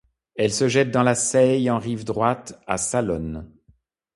Elle se jette dans la Seille en rive droite, à Salonnes.